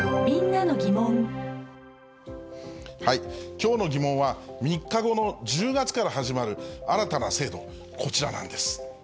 きょうのギモンは、３日後の１０月から始まる新たな制度、こちらなんです。